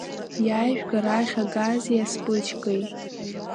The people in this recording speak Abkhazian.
Иаажәг арахь агази асԥычкеи.